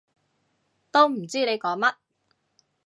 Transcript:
都唔知你講乜